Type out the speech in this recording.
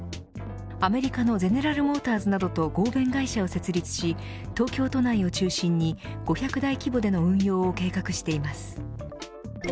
アメリカのゼネラル・モーターズなどと合弁会社を設立し東京都内を中心に５００台規模での運用を計画しています。